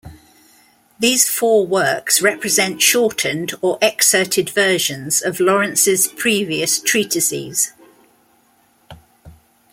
These four works represent shortened or excerpted versions of Lawrence's previous treatises.